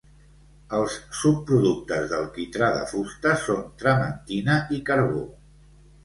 Els subproductes del quitrà de fusta són trementina i carbó.